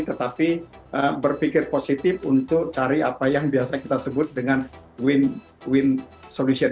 tetapi berpikir positif untuk cari apa yang biasanya kita sebut dengan win solution